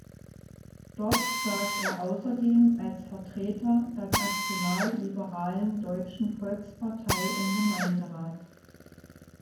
Dort saß er außerdem als Vertreter der nationalliberalen Deutschen Volkspartei im Gemeinderat.